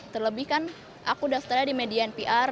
terlebih kan aku daftarnya di media npr